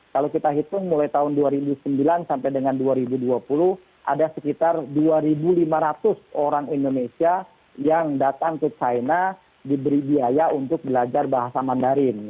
kalau kita hitung mulai tahun dua ribu sembilan sampai dengan dua ribu dua puluh ada sekitar dua lima ratus orang indonesia yang datang ke china diberi biaya untuk belajar bahasa mandarin